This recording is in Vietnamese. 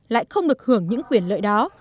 lại không được hưởng những quyền lợi đó